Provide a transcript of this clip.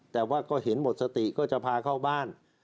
แต่ว่าก็เห็นหมดสติก็จะพาเข้าบ้าน